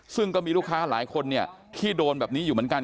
ซึ่งก็มีลูกค้าหลายคนเนี่ยที่โดนแบบนี้อยู่เหมือนกัน